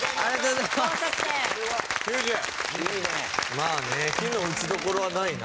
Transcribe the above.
まあね非の打ちどころはないな。